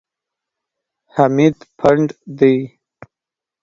حمید پنډ دی.